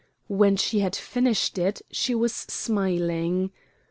When she had finished it she was smiling.